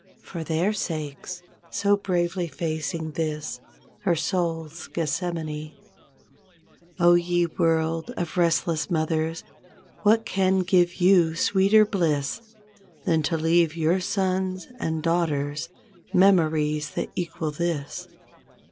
For their sakes so bravely facing this, her soul's Gethsemane. Oh, ye world of restless mothers, what can give you sweeter bliss Than to leave your sons and daughters memories 30 ^of that equal this?